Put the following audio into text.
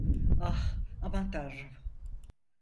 Ah, aman Tanrım.